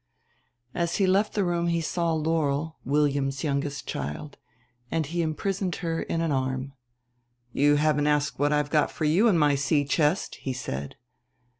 "_ As he left the room he saw Laurel, William's youngest child, and he imprisoned her in an arm. "You haven't asked what I've got for you in my sea chest," he said.